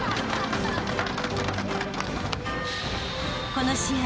［この試合